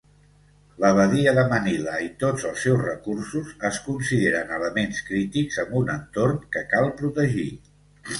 La badia de Manila i tots els seus recursos es consideren elements crítics amb un entorn que cal protegir.